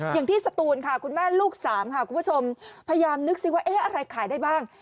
อย่างที่สตูลค่ะคุณแม่ลูกสามคุณผู้ชมพยายามนึกซิว่าอะไรขายได้บ้าง